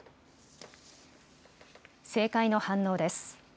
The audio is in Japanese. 政界の反応です。